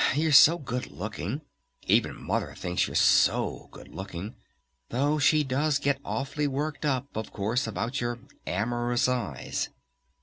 "You're so good looking! Even Mother thinks you're so good looking!... Though she does get awfully worked up, of course, about your 'amorous eyes'!"